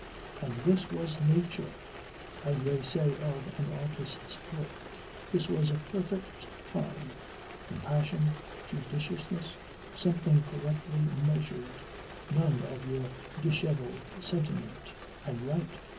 And this was nature! As they say of an artist's work: this was a perfect Fyne. Compassion judiciousness something correctly measured. None of your dishevelled sentiment. And right!